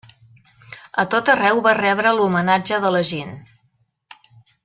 A tot arreu va rebre l'homenatge de la gent.